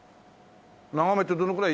長めってどのくらい？